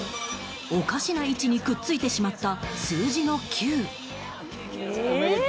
おかしな位置にくっついてしまった数字の９。